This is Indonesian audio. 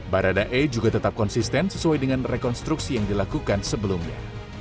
baradae juga tetap konsisten sesuai dengan rekonstruksi yang dilakukan sebelumnya